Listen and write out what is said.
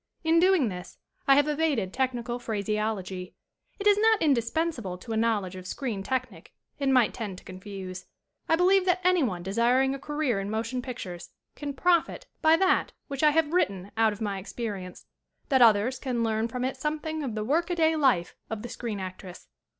In doing this I have evaded technical phraseology. It is not indispensable to a knowledge of screen technic and might tend to confuse. I believe that anyone desiring a career in motion pictures can profit by that which I have written out of my experience; that others can learn from it something of the work a day life of the screen actress.